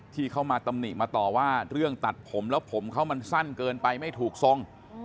ที่เขามาตำหนิมาต่อว่าเรื่องตัดผมแล้วผมเขามันสั้นเกินไปไม่ถูกทรง